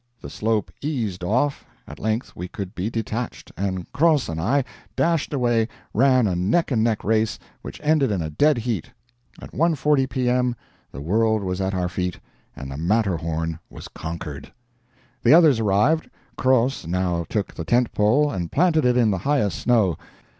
The slope eased off, at length we could be detached, and Croz and I, dashed away, ran a neck and neck race, which ended in a dead heat. At 1:40 P.M., the world was at our feet, and the Matterhorn was conquered! The others arrived. Croz now took the tent pole, and planted it in the highest snow.